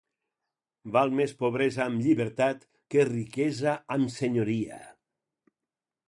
Val més pobresa amb llibertat, que riquesa amb senyoria.